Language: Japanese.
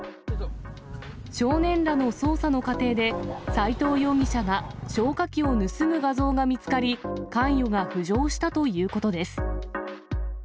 少年らの捜査の過程で、サイトウ容疑者が消火器を盗む画像が見つかり、関与が浮上したということです。